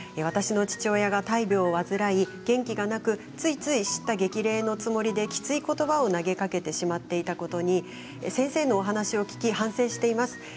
私の父親が大病を患い元気がなくついつい、しった激励のつもりできついことばを投げかけてしまっていたことに先生のお話を聞き反省しています。